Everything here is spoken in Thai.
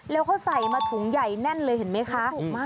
แล้วเขาใส่มาถุงใหญ่แน่นเลยเห็นไหมคะถูกมาก